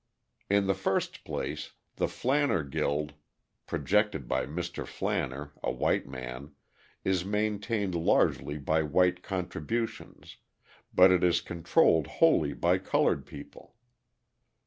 In the first place, the Flanner Guild, projected by Mr. Flanner, a white man, is maintained largely by white contributions, but it is controlled wholly by coloured people.